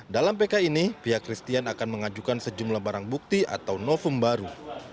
dalam pk ini pihak christian akan mengajukan sejumlah barang bukti atau novum baru